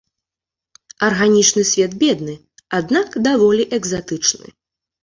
Арганічны свет бедны, аднак даволі экзатычны.